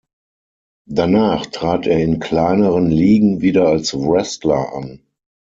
Danach trat er in kleineren Ligen wieder als Wrestler an.